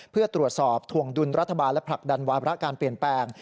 เพื่อตรวจสอบถวงดุลรัฐบาลและผลักดันวาระการเปลี่ยนแปลง